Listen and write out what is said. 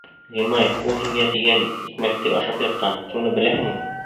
— Ғимай, ул һиңә тигән икмәкте ашап ятҡан, шуны беләһеңме?